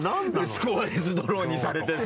スコアレスドローにされてさ。